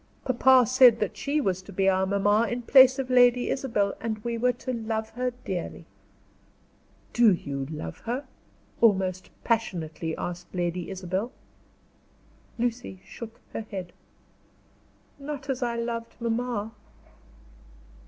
Papa said that she was to be our mamma in place of Lady Isabel and we were to love her dearly." "Do you love her?" almost passionately asked Lady Isabel. Lucy shook her head. "Not as I loved mamma."